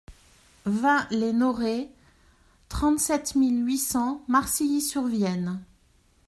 vingt les Noraies, trente-sept mille huit cents Marcilly-sur-Vienne